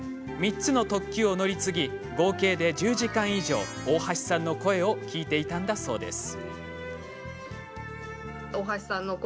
３つの特急を乗り継ぎ合計で１０時間以上大橋さんの声を聞いていたんだそうです。